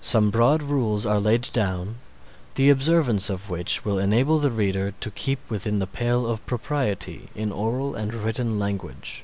Some broad rules are laid down, the observance of which will enable the reader to keep within the pale of propriety in oral and written language.